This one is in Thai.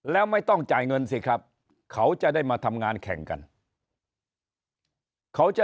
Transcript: แล้วไม่ต้องจ่ายเงินสิครับเขาจะได้มาทำงานแข่งกันเขาจะ